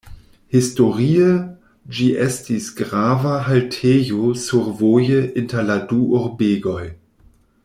Historie ĝi estis grava haltejo survoje inter la du urbegoj.